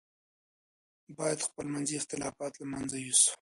باید خپل منځي اختلافات له منځه یوسو.